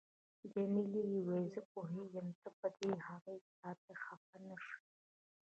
جميلې وويل: زه پوهیږم ته به د هغې په راتګ خفه نه شې.